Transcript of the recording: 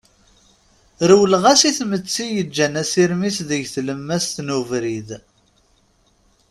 Rewleɣ-as i tmetti yeǧan asirem-is deg tlemmast n ubrid.